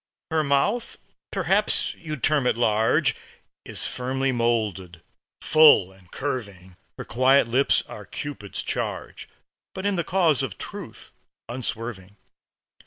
Her mouth? Perhaps you'd term it large Is firmly molded, full and curving; Her quiet lips are Cupid's charge, But in the cause of truth unswerving.